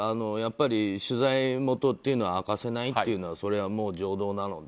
取材元というのは明かせないというのはそれは常道なので。